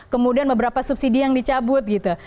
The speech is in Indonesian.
kemudian beberapa subsidi yang dicabut gitu